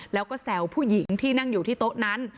แล้วก็แสวผู้หญิงที่นั่งอยู่ที่โต๊ะนั้น